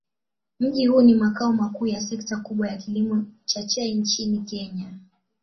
Mji huu ni makao makuu ya sekta kubwa ya kilimo cha chai nchini Kenya.